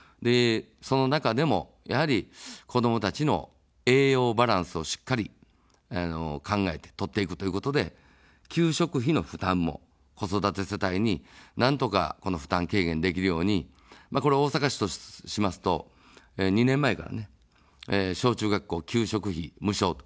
その中でも、やはり子どもたちの栄養バランスをしっかり考えて、摂っていくということで、給食費の負担も子育て世帯になんとか負担軽減できるように、これは大阪市としますと２年前から、小中学校、給食費無償と。